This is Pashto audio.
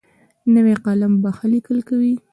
نوی قلم ښه لیکل کوي